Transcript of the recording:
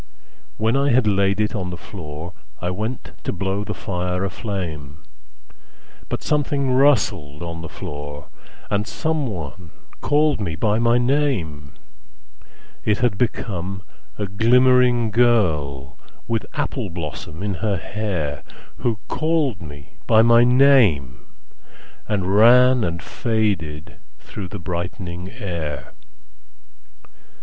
When I had laid it on the floorI went to blow the fire a flame, But something rustled on the floor, And someone called me by my name:It had become a glimmering girlWith apple blossom in her hairWho called me by my name and ranAnd faded through the brightening air.